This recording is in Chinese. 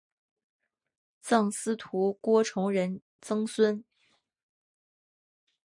赠司徒郭崇仁曾孙。